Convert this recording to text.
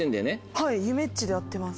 はいゆめっちでやってます。